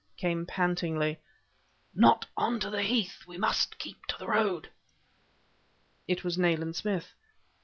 came pantingly. "Not on to the Heath... we must keep to the roads..." It was Nayland Smith.